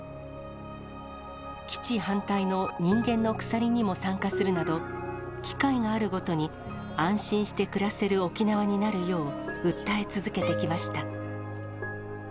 基地反対の人間の鎖にも参加するなど、機会があるごとに安心して暮らせる沖縄になるよう、訴え続けてきました。